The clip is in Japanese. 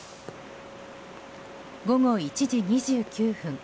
午後１時２９分